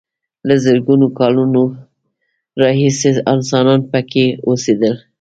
له زرګونو کالونو راهیسې انسانان پکې اوسېدل.